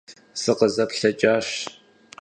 СыкъызэплъэкӀащ.